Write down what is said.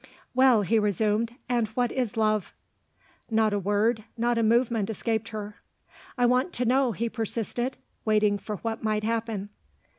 "Well," he resumed "and what is love?" Not a word, not a movement escaped her. "I want to know," he persisted, waiting for what might happen.